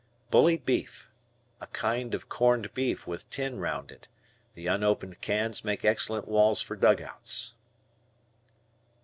Bully Beef. A kind of corned beef with tin round it. The unopened cans make excellent walls for dugouts.